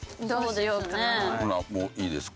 ほなもういいですか？